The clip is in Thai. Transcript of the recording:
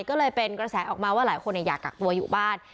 ก็เลยเป็นกระแสออกมาว่าหลายคนอยากกักตัวอยู่บ้าน